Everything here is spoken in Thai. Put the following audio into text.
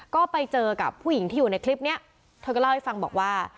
ก็ไปเจอกับผู้หญิงที่อยู่ในคลิปนี้เธอก็เล่าให้ฟังบอกว่า